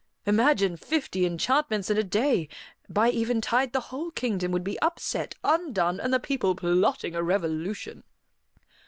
"Imagine fifty enchantments in a day! By eventide the whole kingdom would be upset, undone, and the people plotting a revolution."